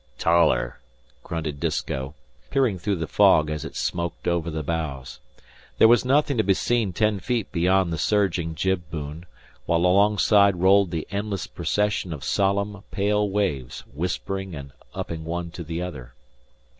"Taller!" grunted Disko, peering through the fog as it smoked over the bows. There was nothing to be seen ten feet beyond the surging jib boom, while alongside rolled the endless procession of solemn, pale waves whispering and lipping one to the other.